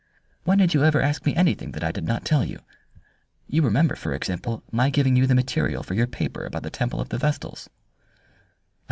"When did you ever ask me anything that I did not tell you? You remember, for example, my giving you the material for your paper about the temple of the Vestals."